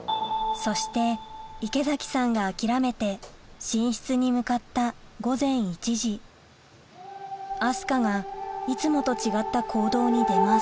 そして池崎さんが諦めて寝室に向かった明日香がいつもと違った行動に出ます・